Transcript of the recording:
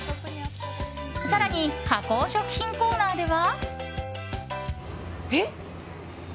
更に加工食品コーナーでは。